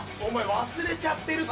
忘れちゃってるって。